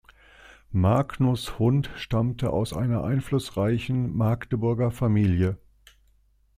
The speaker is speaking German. Magnus Hundt stammte aus einer einflussreichen Magdeburger Familie.